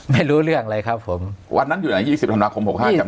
ไม่รู้เรื่องเลยครับผมวันนั้นอยู่ไหน๒๐ธันวาคม๖๕จำ